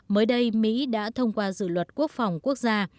mới đây mỹ đã thông qua dự luật quốc phòng quốc gia